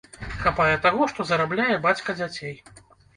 Хапае таго, што зарабляе бацька дзяцей.